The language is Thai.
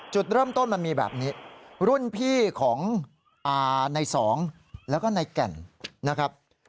จุดเริ่มต้นมันมีแบบนี้รุ่นพี่ของในสองแล้วก็ในแก่นนะครับ